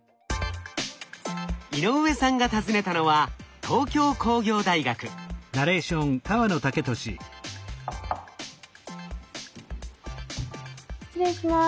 井上さんが訪ねたのは失礼します。